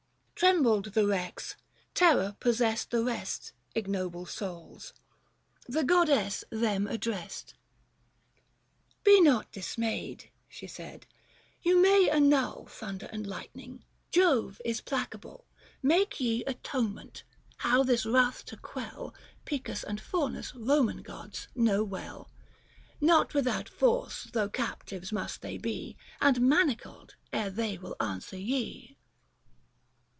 305 Trembled the Rex, terror possessed the rest — Ignoble souls. The goddess them addressed :— li Be not dismayed," she said, " you may annul Thunder and lightning, Jove is placable ; Make ye atonement ; how this wrath to quell 310 Picus and Faunus, Roman gods, know well. Xot without force though, captives must they be, And manacled, ere they will answer ye."